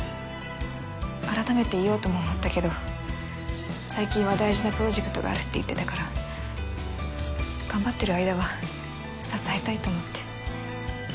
改めて言おうとも思ったけど最近は大事なプロジェクトがあるって言ってたから頑張ってる間は支えたいと思って。